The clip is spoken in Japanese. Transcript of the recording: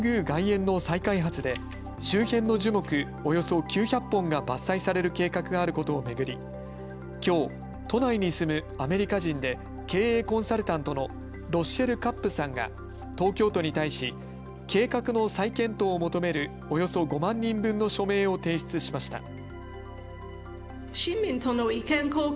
外苑の再開発で周辺の樹木およそ９００本が伐採される計画があることを巡り、きょう、都内に住むアメリカ人で経営コンサルタントのロッシェル・カップさんが東京都に対し計画の再検討を求めるおよそ５万人分の署名を提出しました。